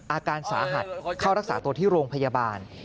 อาการสาหัสเข้ารักษาตัวที่โรงพยาบาล